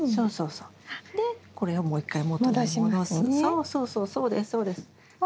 そうそうそうそうですそうです。